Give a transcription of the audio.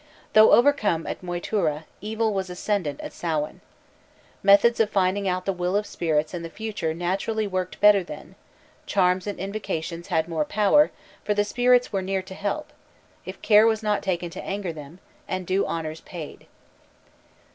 Though overcome at Moytura evil was ascendant at Samhain. Methods of finding out the will of spirits and the future naturally worked better then, charms and invocations had more power, for the spirits were near to help, if care was taken not to anger them, and due honors paid.